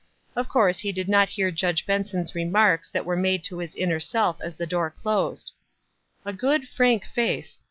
Of course he did not hear Judge Benson's remarks that were made to his inner self as the door closed. "A good, frank face.